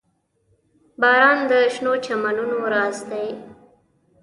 • باران د شنو چمنونو راز دی.